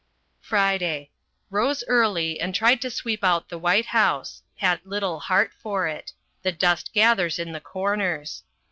FRIDAY. Rose early and tried to sweep out the White House. Had little heart for it. The dust gathers in the corners.